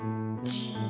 じ